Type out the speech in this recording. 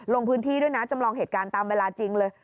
ลงพื้นที่ด้วยนะจำลองเหตุการณ์ตามเวลาจริงเลย